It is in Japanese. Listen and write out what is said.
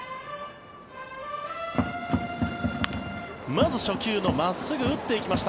まず初球の真っすぐ打っていきました。